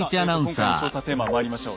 さあ今回の調査テーマをまいりましょう。